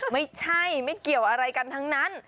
ไม่ใช่ไม่เกี่ยวอะไรกันทั้งนั้น